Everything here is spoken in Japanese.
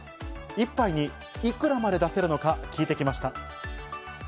１杯にいくらまで出せるのか聞いてきました。